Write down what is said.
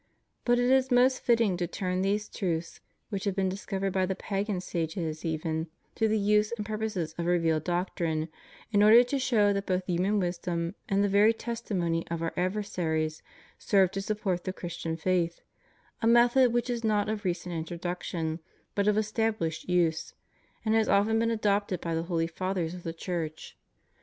But it is most fitting to turn these truths, which have been discovered by the pagan sages even, to the use and purposes of revealed doctrine, in order to show that both human wisdom and the very testimony of our adversaries serve to support the Christian faith — a method Avhich is not of recent introduction, but of estabhshed use, and has often been adopted by the holy Fathers of the Church.